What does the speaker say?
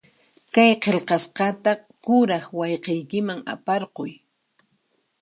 Kay qillqasqata kuraq wayqiykiman aparquy.